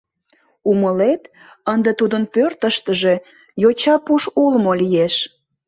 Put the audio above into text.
Умылет, ынде тудын пӧртыштыжӧ «йоча пуш улмо» лиеш.